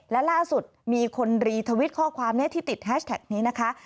และล่าสุดมีคนรีทวิตข้อความนี้ที่ติดแฮชแท็กนี้นะคะ